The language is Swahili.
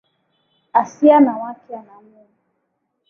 Asiye na wake ana Mungu.